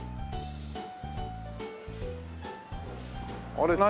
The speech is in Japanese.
あれ何？